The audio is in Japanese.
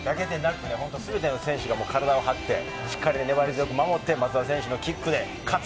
全ての選手が体を張って粘り強く守って、松田選手のキックで勝つ。